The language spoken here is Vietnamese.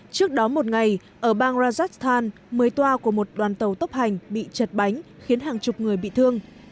trước đó một ngày ở bang rajasthan mấy toa của một đoàn tàu tốc hành bị chật bánh khiến hàng chục người bị thương